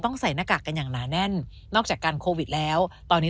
ใส่หน้ากากกันอย่างหนาแน่นนอกจากการโควิดแล้วตอนนี้